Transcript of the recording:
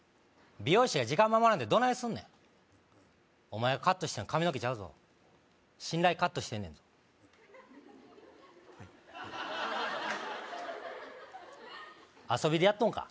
美容師が時間守らんでどないすんねんお前がカットしてんの髪の毛ちゃうぞ信頼カットしてんねんぞはい遊びでやっとんか？